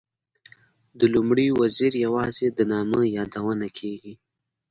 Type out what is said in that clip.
د لومړي وزیر یوازې د نامه یادونه کېږي.